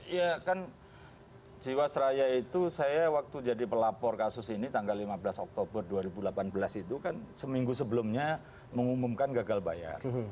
ya kan jiwasraya itu saya waktu jadi pelapor kasus ini tanggal lima belas oktober dua ribu delapan belas itu kan seminggu sebelumnya mengumumkan gagal bayar